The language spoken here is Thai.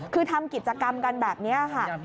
คือทำกิจกรรมกันแบบนี้ค่ะ